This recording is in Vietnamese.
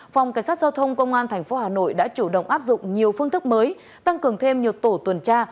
phòng cảnh sát giao thông công an tp hà nội đã chủ động áp dụng nhiều phương thức mới tăng cường thêm nhiều tổ tuần tra